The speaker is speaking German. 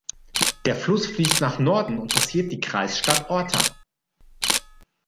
Der Fluss fließt nach Norden und passiert die Kreisstadt Orta.